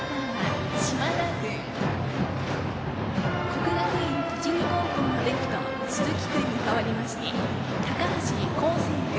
国学院栃木高校のレフト鈴木君に代わりまして高橋巧成君。